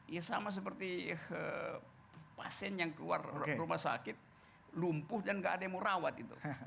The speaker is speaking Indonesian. ya sama seperti pasien yang keluar rumah sakit lumpuh dan nggak ada yang mau rawat itu